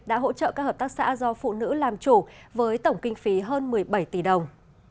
đã hỗ trợ các hợp tác xã do phụ nữ làm chủ với tổng kinh phí hơn một mươi bảy tỷ đồng